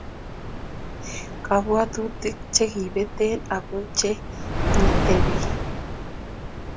kabwotutik chekipeten ako che nyitei biik